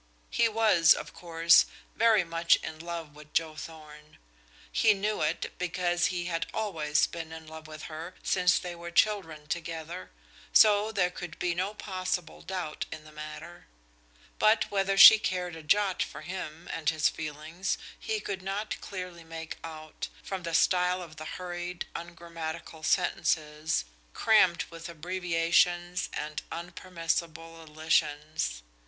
He was, of course, very much in love with Joe Thorn; he knew it, because he had always been in love with her since they were children together, so there could be no possible doubt in the matter. But whether she cared a jot for him and his feelings he could not clearly make out, from the style of the hurried, ungrammatical sentences, crammed with abbreviations and unpermissible elisions.